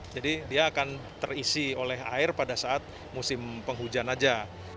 jadi dia akan terisi oleh air pada saat musim penghujan aja